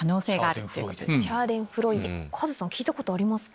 カズさん聞いたことありますか？